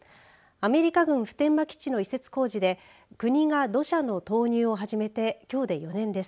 アメリカ軍普天間基地の移設工事で国が土砂の投入を始めてきょうで４年です。